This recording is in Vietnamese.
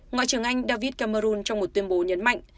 ngoại trưởng anh david cameron trong một tuyên bố nhấn mạnh